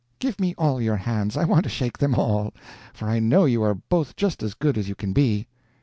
"Give me all your hands, I want to shake them all; for I know you are both just as good as you can be."